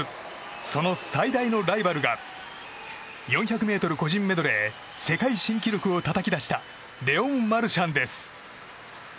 その最大のライバルが４００ｍ個人メドレー世界新記録をたたき出したレオン・マルシャンです。